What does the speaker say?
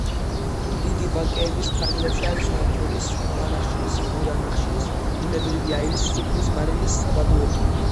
დიდი ვაკეების ფარგლებში არის ნავთობის, ქვანახშირის, მურა ნახშირის, ბუნებრივი აირის, სუფრის მარილის საბადოები.